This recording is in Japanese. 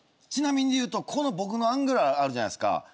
ちなみに言うとこの僕のアングルあるじゃないですか。